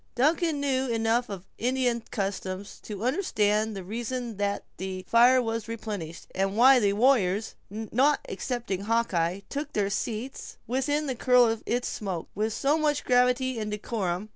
Duncan knew enough of Indian customs to understand the reason that the fire was replenished, and why the warriors, not excepting Hawkeye, took their seats within the curl of its smoke with so much gravity and decorum.